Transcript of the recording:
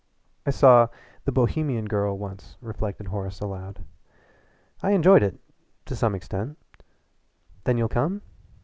"I saw 'The Bohemian Girl' once," reflected Horace aloud. "I enjoyed it to some extent " "Then you'll come?"